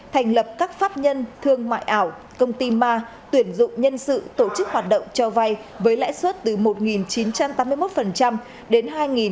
thành lập các pháp nhân thương mại ảo công ty ma tuyển dụng nhân sự tổ chức hoạt động cho vay với lãi suất từ một chín trăm tám mươi một đến hai ba trăm sáu mươi một